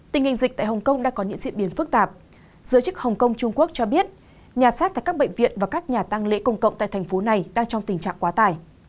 tình hình dịch tại hồng kông đã có những diễn biến phức tạp giới chức hồng kông trung quốc cho biết nhà sát tại các bệnh viện và các nhà tăng lễ công cộng tại thành phố này đang trong tình trạng quá tải